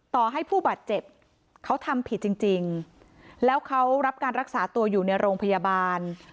ต่อให้ผู้บาดเจ็บเขาทำผิดจริงแล้วเขารับการรักษาตัวอยู่ในโรงพยาบาล